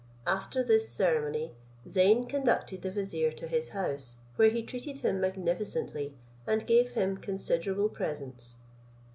After this ceremony, Zeyn conducted the vizier to his house, where he treated him magnificently, and gave him considerable presents.